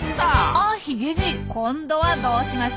あヒゲじい今度はどうしました？